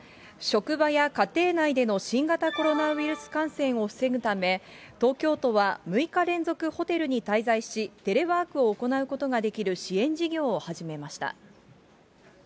職場や家庭内での新型コロナウイルス感染を防ぐため、東京都は６日連続ホテルに滞在し、テレワークを行うことができる支援事業を始めました。